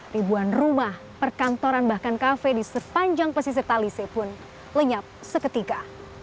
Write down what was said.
ribuan rumah perkantoran bahkan kafe di sepanjang pesisir talise pun lenyap seketika